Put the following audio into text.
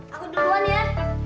aku duluan ya